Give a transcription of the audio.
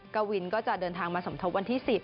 กวินก็จะเดินทางมาสมทบวันที่๑๐